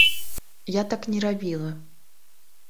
Я так не рабіла.